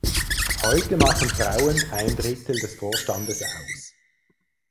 Heute machen Frauen ein Drittel des Vorstandes aus.